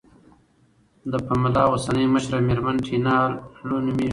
د پملا اوسنۍ مشره میرمن ټینا لو نوميږي.